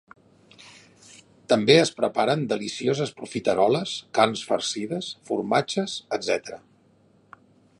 També es preparen delicioses profiteroles, carns farcides, formatges, etc.